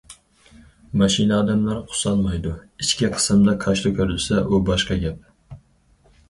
ماشىنا ئادەملەر قۇسالمايدۇ، ئىچكى قىسمىدا كاشىلا كۆرۈلسە، ئۇ باشقا گەپ.